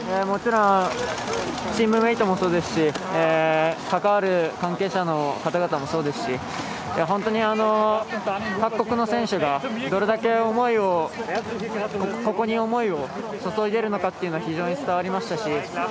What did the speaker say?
もちろんチームメートもそうですし関わる関係者の方々もそうですし本当に各国の選手がどれだけここに思いを注いでるのかというのを非常に伝わりましたし